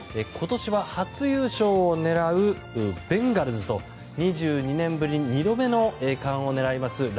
今年は初優勝を狙うベンガルズと２２年ぶり２度目の栄冠を狙います